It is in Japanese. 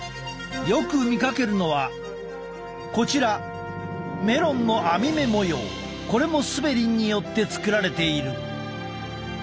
よく見かけるのはこちらこれもスベリンによって作られている。